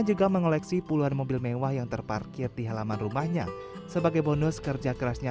juga mengoleksi puluhan mobil mewah yang terparkir di halaman rumahnya sebagai bonus kerja kerasnya